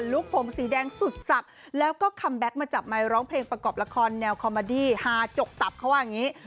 คมสีแดงสุดสับแล้วก็คัมแบ็คมาจับไมค์ร้องเพลงประกอบละครแนวคอมมาดี้ฮาจกตับเขาว่าอย่างนี้